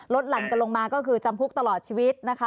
หลั่นกันลงมาก็คือจำคุกตลอดชีวิตนะคะ